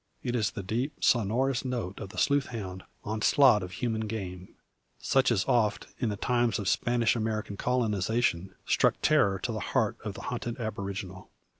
It is the deep sonorous note of the sleuth hound on slot of human game; such as oft, in the times of Spanish American colonisation, struck terror to the heart of the hunted aboriginal.